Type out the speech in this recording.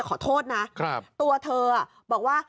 ขอโทษนะตัวเธอบอกว่า